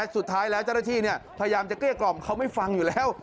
สุดท้ายแล้วเจ้าหน้าที่พยายามจะเกลี้ยกล่อมเขาไม่ฟังอยู่แล้ว